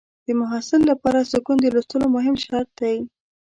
د محصل لپاره سکون د لوستلو مهم شرط دی.